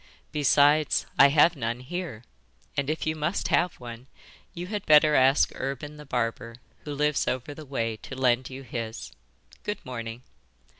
Besides, I have none here, and if you must have one you had better ask Urban the barber, who lives over the way, to lend you his. Good morning.